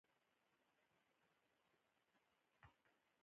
هېڅوک له دې معاملې سره موافق نه وو.